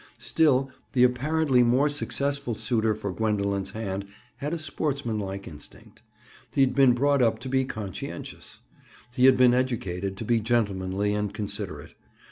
Still the apparently more successful suitor for Gwendoline's hand had a sportsmanlike instinct. He'd been brought up to be conscientious. He had been educated to be gentlemanly and considerate.